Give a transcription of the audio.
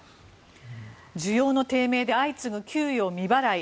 需要の低迷で相次ぐ給与未払い。